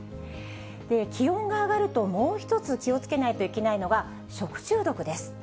気温が上がると、もう一つ気をつけないといけないのが、食中毒です。